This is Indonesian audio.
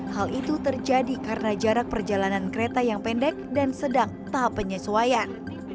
hal itu terjadi karena jarak perjalanan kereta yang pendek dan sedang tahap penyesuaian